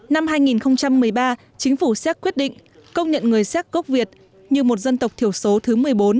năm hai nghìn một mươi ba chính phủ séc quyết định công nhận người xéc gốc việt như một dân tộc thiểu số thứ một mươi bốn